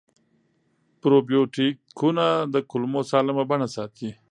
پروبیوتیکونه د کولمو سالمه بڼه ساتي.